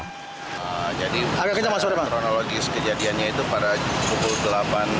kronologis kejadiannya itu pada pukul delapan tiga puluh